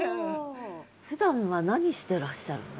ふだんは何してらっしゃるの？